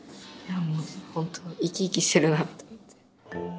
本当生き生きしてるなと思って。